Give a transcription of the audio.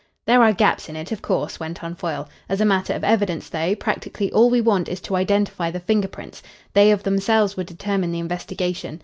"There are gaps in it, of course," went on Foyle. "As a matter of evidence, though, practically all we want is to identify the finger prints. They of themselves would determine the investigation.